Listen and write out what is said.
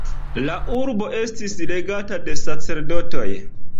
La urbo estis regata de sacerdotoj.